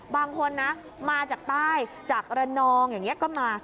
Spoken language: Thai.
บางคนนะมาจากใต้จากระนองอย่างนี้ก็มา